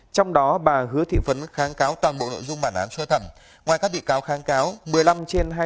trong đó bà hứa thị phấn kháng cáo toàn bộ nội dung bản án sơ thẩm